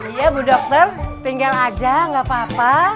iya bu dokter tinggal aja nggak apa apa